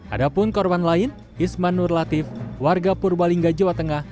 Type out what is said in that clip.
adapun korban lain isman nur latif warga purbalingga jawa tengah